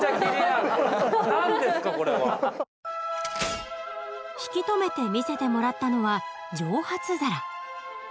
何ですかこれは？引き止めて見せてもらったのは蒸発皿。